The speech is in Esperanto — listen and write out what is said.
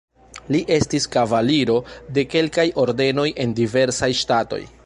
Li estis kavaliro de kelkaj ordenoj en diversaj ŝtatoj.